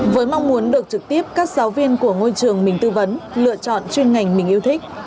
với mong muốn được trực tiếp các giáo viên của ngôi trường mình tư vấn lựa chọn chuyên ngành mình yêu thích